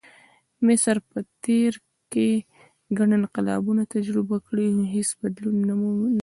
مصر په تېر کې ګڼ انقلابونه تجربه کړي، خو هېڅ بدلون نه و.